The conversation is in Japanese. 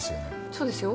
そうですよ。